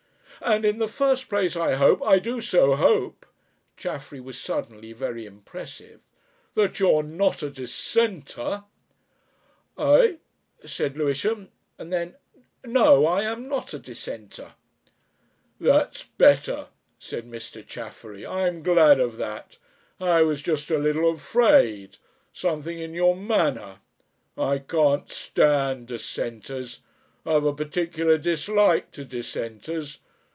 And in the first place I hope I do so hope" Chaffery was suddenly very impressive "that you're not a Dissenter." "Eh!" said Lewisham, and then, "No! I am not a Dissenter." "That's better," said Mr. Chaffery. "I'm glad of that. I was just a little afraid Something in your manner. I can't stand Dissenters. I've a peculiar dislike to Dissenters.